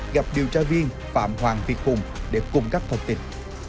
gặp điều tra viên phạm hoàng việt hùng để cung cấp thông tin